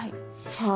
はい。